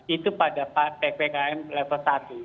itu pada ppkm level satu